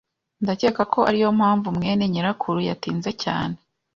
Ndakeka ko ariyo mpamvu mwene nyirakuru yatinze cyane.